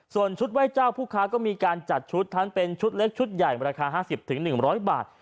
ส่วนชุดไหว้เจ้าผู้ค้าก็มีการจัดชุดทั้งเป็นชุดเล็กชุดใหญ่ราคา๕๐๑๐๐บาท